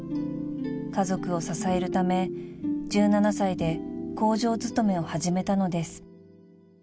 ［家族を支えるため１７歳で工場勤めを始めたのです］